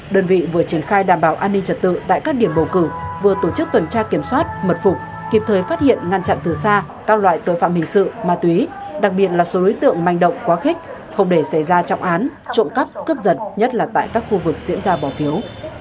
đơn vị vừa triển khai đảm bảo an ninh trật tự tại các điểm bầu cử vừa tổ chức tuần tra kiểm soát mật phục kịp thời phát hiện ngăn chặn từ xa các loại tội phạm hình sự ma túy đặc biệt là số đối tượng manh động quá khích không để xảy ra trọng án trộm cắp cướp giật nhất là tại các khu vực diễn ra bỏ phiếu